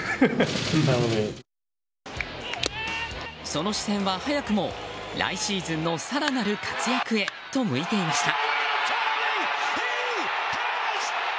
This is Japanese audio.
その視線は早くも来シーズンの更なる活躍へと向いていました。